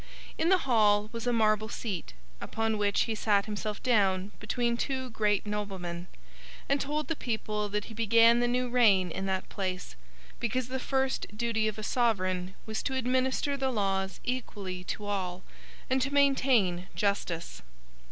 In the Hall was a marble seat, upon which he sat himself down between two great noblemen, and told the people that he began the new reign in that place, because the first duty of a sovereign was to administer the laws equally to all, and to maintain justice.